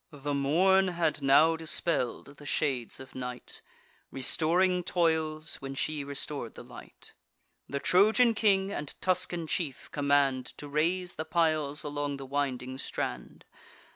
The morn had now dispell'd the shades of night, Restoring toils, when she restor'd the light. The Trojan king and Tuscan chief command To raise the piles along the winding strand.